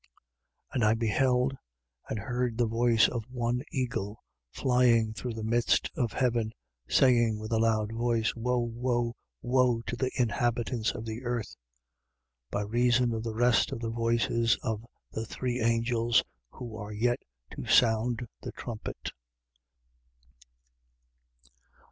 8:13. And I beheld: and heard the voice of one eagle flying through the midst of heaven, saying with a loud voice: Woe, Woe, Woe to the inhabitants of the earth, by reason of the rest of the voices of the three angels, who are yet to sound the trumpet!